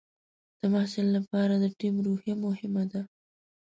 د محصل لپاره د ټیم روحیه مهمه ده.